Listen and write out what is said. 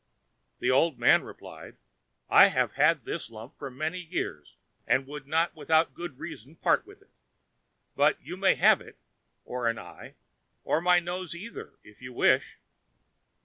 The old man replied: "I have had this lump many years, and would not without good reason part with it; but you may have it, or an eye, or my nose either if you wish."